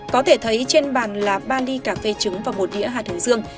có thể thấy trên bàn là ba ly cà phê trứng và một đĩa hạt dương